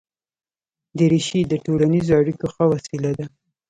دریشي د ټولنیزو اړیکو ښه وسیله ده.